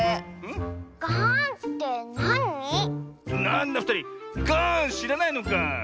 なんだふたりガーンしらないのかあ。